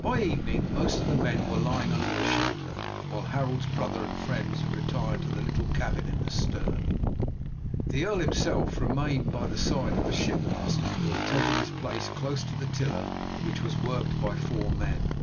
By evening most of the men were lying under the shelter, while Harold's brother and friends had retired to the little cabin in the stern. The earl himself remained by the side of the ship master, who had taken his place close to the tiller, which was worked by four men.